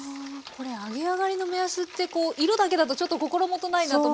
これ揚げ上がりの目安ってこう色だけだとちょっと心もとないなと思うんですけど菜箸に。